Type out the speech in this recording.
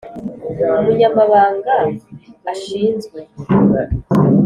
Umunyamabanga ashinzwe